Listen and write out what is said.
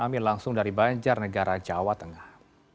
ambil langsung dari banjar negara jawa tengah